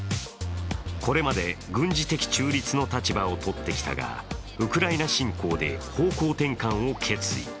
これまで軍事的中立の立場をとってきたがウクライナ侵攻で方向転換を決意。